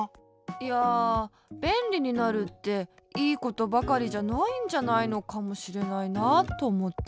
いやべんりになるっていいことばかりじゃないんじゃないのかもしれないなとおもって。